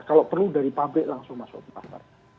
kalau perlu dari pabrik langsung masuk ke pasar